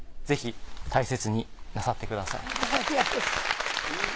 ぜひ大切になさってください。